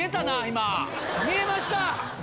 今見えました。